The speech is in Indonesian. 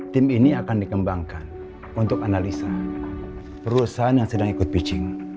tim ini akan dikembangkan untuk analisa perusahaan yang sedang ikut pitching